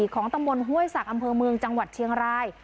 ของตะมนต์เฮ้ยสักการ์อำเภอเมืองจังหวัดเชียงราย